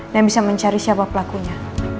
dan bisa mencari siapa pelakunya